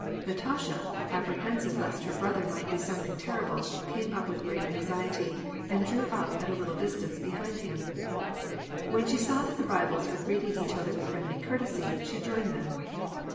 Natasha, apprehensive lest her brother might do something terrible, came up in great anxiety, and drew up at a little dis tance behind him. When she saw that the rivals were greet* ing each other with friendly courtesy, she joined them.